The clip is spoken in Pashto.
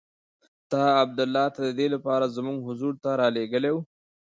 تا عبدالله د دې لپاره زموږ حضور ته رالېږلی وو.